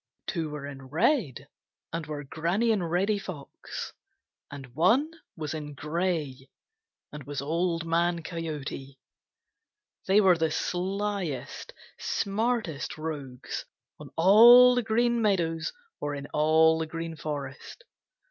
Two were in red and were Granny and Reddy Fox. And one was in gray and was Old Man Coyote. They were the slyest, smartest rogues on all the Green Meadows or in all the Green Forest.